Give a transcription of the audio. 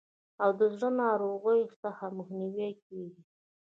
او د زړه د ناروغیو څخه مخنیوی کیږي.